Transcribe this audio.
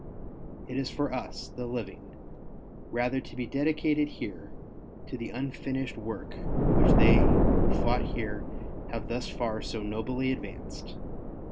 It is for us, the living, rather to be dedicated here to the unfinished work which they who fought here have thus far so nobly advanced.